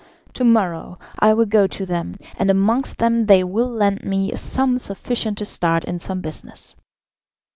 To morrow I will go to them, and amongst them they will lend me a sum sufficient to start in some business."